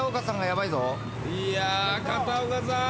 いや片岡さん！